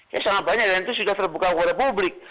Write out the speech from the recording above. ya sangat banyak dan itu sudah terbuka kepada publik